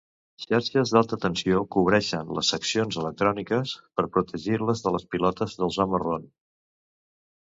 Xarxes d'alta tensió cobreixen les seccions electròniques per protegir-les de les pilotes dels home run.